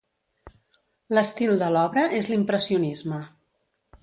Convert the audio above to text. L'estil de l'obra és l'impressionisme.